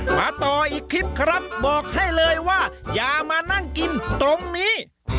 มาต่ออีกคลิปครับบอกให้เลยว่าอย่ามานั่งกินตรงนี้